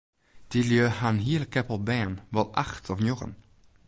Dy lju ha in hiele keppel bern, wol acht of njoggen.